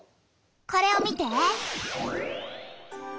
これを見て！